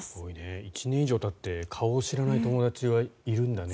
１年以上たって顔を知らない友達いるんだね。